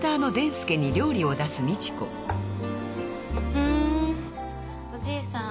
ふんおじいさん